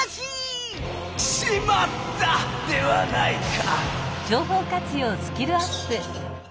「しまった！」ではないか！